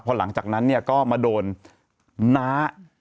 พอหลังจากนั้นเนี่ยก็มาโดนน้า